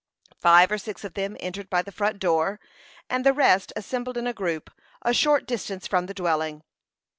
Five or six of the visitors entered by the front door, and the rest assembled in a group, a short distance from the dwelling.